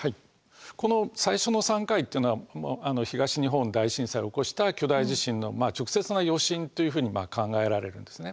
この最初の３回っていうのは東日本大震災を起こした巨大地震の直接な余震というふうに考えられるんですね。